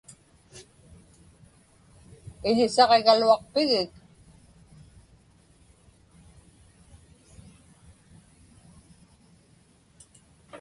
Iḷisaġigaluaqpigik?